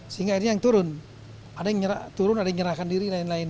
sehingga ini yang turun ada yang menyerahkan diri dan lain lain